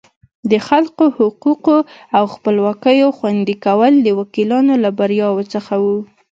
د خلکو حقوقو او خپلواکیو خوندي کول د وکیلانو له بریاوو څخه وو.